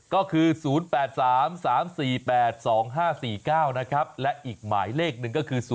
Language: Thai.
ก็คือ๐๘๓๓๔๘๒๕๔๙นะครับและอีกหมายเลขหนึ่งก็คือ